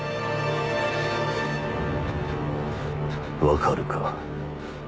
分かるか？